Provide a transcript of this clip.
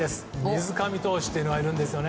水上投手というのがいるんです。